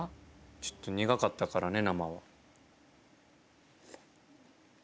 ちょっと苦かったからね生は。